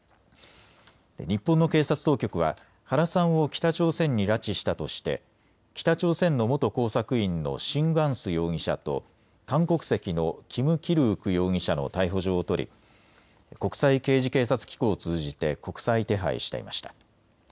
日本の警察当局は原さんを北朝鮮に拉致したとして北朝鮮の元工作員の辛光洙容疑者と韓国籍の金吉旭容疑者の逮捕状を取り警察機構を通じて国際手配していました。